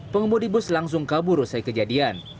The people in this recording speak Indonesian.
pengemudi bus langsung kabur usai kejadian